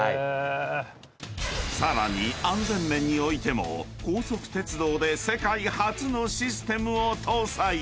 ［さらに安全面においても高速鉄道で世界初のシステムを搭載］